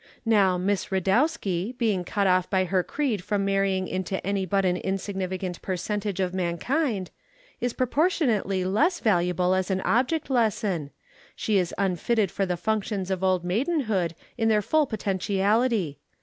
Now Miss Radowski, being cut off by her creed from marrying into any but an insignificant percentage of mankind, is proportionately less valuable as an object lesson; she is unfitted for the functions of Old Maidenhood in their full potentiality.